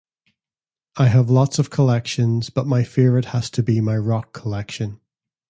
I have lots of collections, but my favorite has to be my rock collection!